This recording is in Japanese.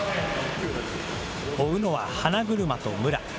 追うのは花車と武良。